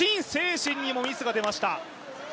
晨にもミスが出ました。